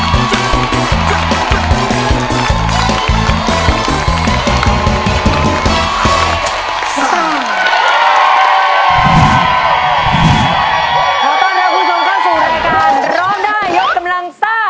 ขอต้อนรับคุณผู้ชมเข้าสู่รายการร้องได้ยกกำลังซ่า